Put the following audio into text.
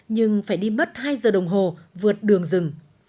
nhưng phải đi mất hai giờ đồng hồ vượt đường rừng